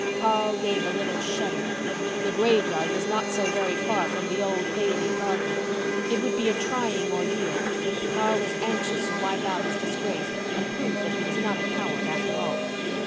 Carl gave a little shudder. The graveyard was not so very far from the old Bailey garden. It would be a trying ordeal, but Carl was anxious to wipe out his disgrace and prove that he was not a coward after all.